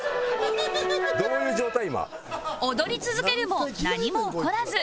踊り続けるも何も起こらず